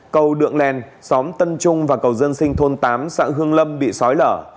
cầu đượng lèn xóm tân trung và cầu dân sinh thôn tám xã hương lâm bị sói lở